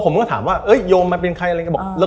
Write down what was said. ผมก็ถามว่ายลมมันเป็นใครอะไรอยู่